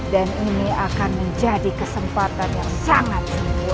dan ini akan menjadi kesempatan yang sangat sempurna